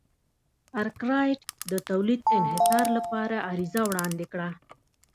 ارکرایټ د تولید انحصار لپاره عریضه وړاندې کړه.